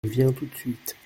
Je viens tout de suite.